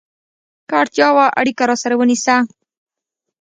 که اړتیا وه، اړیکه راسره ونیسه!